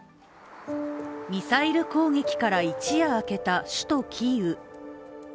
ミサイル攻撃から一夜明けた首都キーウ。